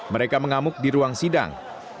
mereka mengamuk di ruang sidang